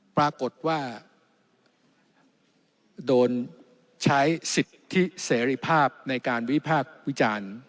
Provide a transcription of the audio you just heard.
ปรากฏว่าโดนใช้สิทธิเสรีภาพในการวิพากษ์วิจารณ์